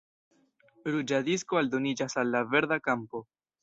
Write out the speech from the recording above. Ruĝa disko aldoniĝas al la verda kampo.